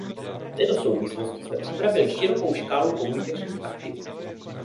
V této souvislosti jsme připravili širokou škálu komunikačních aktivit.